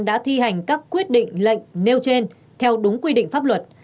đã thi hành các quyết định lệnh nêu trên theo đúng quy định pháp luật